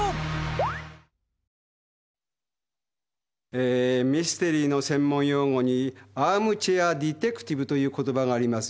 えーミステリーの専門用語に「アームチェア・ディテクティブ」という言葉があります。